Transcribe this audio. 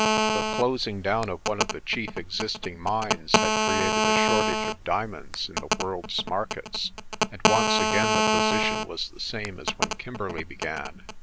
The closing down of one of the chief existing mines had created a shortage of diamonds in the world's markets, and once again the position was the same as when Kimberley began.